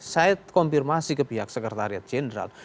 saya konfirmasi ke pihak sekretariat jenderal